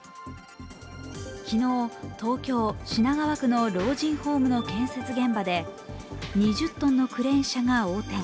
昨日、東京・品川区の老人ホームの建設現場で２０ｔのクレーン車が横転。